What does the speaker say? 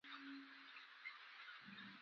د دې روغتون له يوه نرس سره مرکه وه.